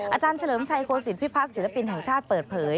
อาจารย์เฉลิมชัยโคศิพิพัฒน์ศิลปินแห่งชาติเปิดเผย